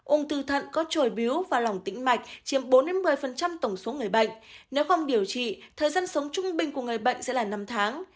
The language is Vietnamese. ung thư thận có trồi biếu và lòng tĩnh mạch chiếm bốn một mươi tổng số người bệnh nếu không điều trị thời gian sống trung bình của người bệnh sẽ là năm tháng